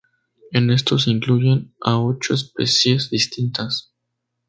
En estos se incluyen a ocho especies distintas.